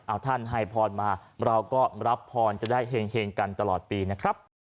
เอาท่านให้พรมาเราก็รับพรจะได้เห็งกันตลอดปีนะครับ